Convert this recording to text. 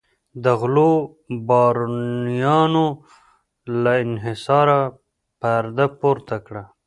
د غلو بارونیانو له انحصاره پرده پورته کړه.